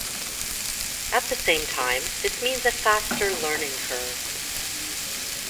At the same time, this means a faster learning curve.